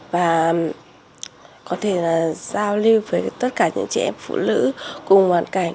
và có thể là giao lưu với tất cả những trẻ em phụ nữ cùng hoàn cảnh